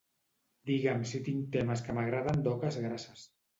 Digue'm si tinc temes que m'agraden d'Oques Grasses.